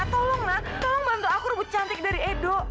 tolong na tolong bantu aku rebut cantik dari edo